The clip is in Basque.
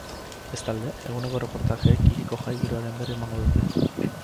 Bestalde, eguneko erreportajeek hiriko jai-giroaren berri emango dute.